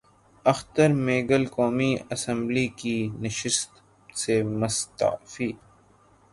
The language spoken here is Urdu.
اختر مینگل قومی اسمبلی کی نشست سے مستعفی